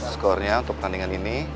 skornya untuk pertandingan ini